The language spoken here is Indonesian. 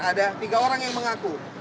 ada tiga orang yang mengaku